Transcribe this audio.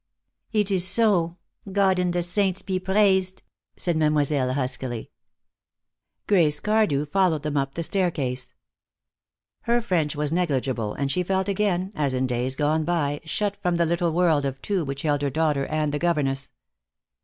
"It is so, God and the saints be praised!" said Mademoiselle, huskily. Grace Cardew followed them up the staircase. Her French was negligible, and she felt again, as in days gone by, shut from the little world of two which held her daughter and governess.